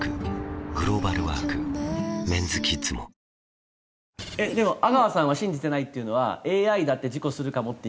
めん話つづけてでも阿川さんが信じてないっていうのはＡＩだって事故するかもっていう。